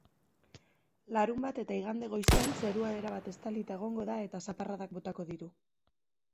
Larunbat eta igande goizean zerua erabat estalita egongo da eta zaparradak botako ditu.